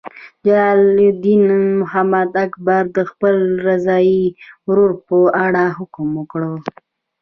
جلال الدین محمد اکبر د خپل رضاعي ورور په اړه حکم وکړ.